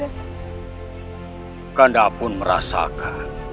oh moetah graduate